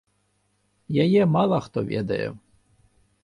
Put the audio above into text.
Яе мала хто ведае.